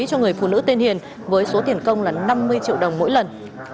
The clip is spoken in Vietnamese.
cho người phụ nữ tên hiền với số tiền công là năm mươi triệu đồng mỗi lần